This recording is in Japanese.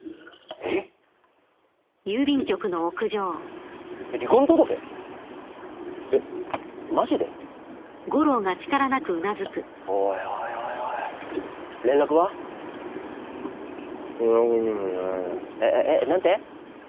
えっえっえっ？何て？